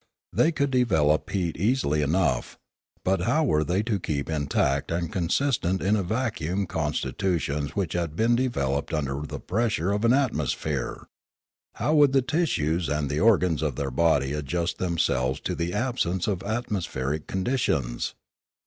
They could develop heat easily enough ; but how were they to keep intact and consistent in a vacuum const i 332 Limanora tutions which had been developed under the pressure of an atmosphere ? How would the tissues and the organs of their bodies adjust themselves to the absence of atmospheric conditions?